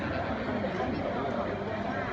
พี่แม่ที่เว้นได้รับความรู้สึกมากกว่า